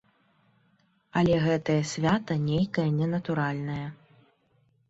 Але гэтае свята нейкае ненатуральнае.